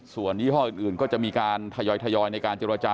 ส่วนยี่ห้ออื่นก็จะมีการทยอยในการเจรจา